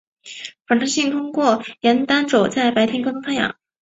反射镜通过沿单轴在白天跟踪太阳。